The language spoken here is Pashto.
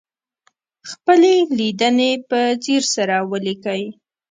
خپلې لیدنې په ځیر سره ولیکئ.